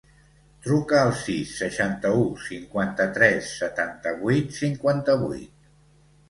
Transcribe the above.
Truca al sis, seixanta-u, cinquanta-tres, setanta-vuit, cinquanta-vuit.